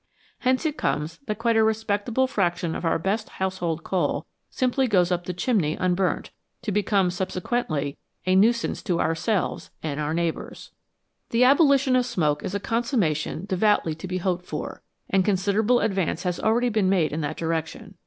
Hence it comes that quite a respectable fraction of our best household coal simply goes up the chimney unburnt, to become subsequently a nuisance to ourselves and our neighbours. The abolition of smoke is a consummation devoutly to be hoped for, and considerable advance has already been made in that direction.